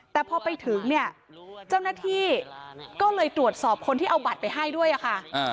แต่พอไปถึงเนี่ยเจ้าหน้าที่ก็เลยตรวจสอบคนที่เอาบัตรไปให้ด้วยค่ะ